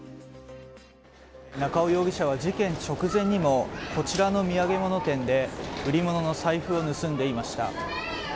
中尾容疑者は事件直前にもこちらの土産物店で売り物の財布を盗んでいました。